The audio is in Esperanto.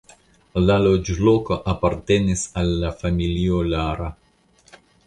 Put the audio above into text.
La loĝloko apartenis al la familio Lara.